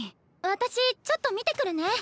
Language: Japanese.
私ちょっと見てくるね。